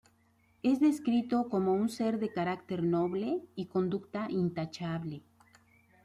Es descrito como un ser de carácter noble y conducta intachable.